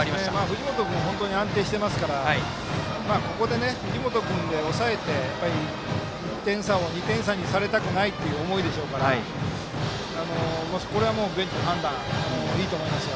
藤本君、安定してますから藤本君で抑えて、１点差を２点差にされたくないという思いでしょうから、これはもうベンチの判断、いいと思いますよ。